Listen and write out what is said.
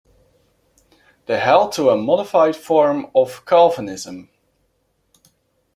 They held to a modified form of Calvinism.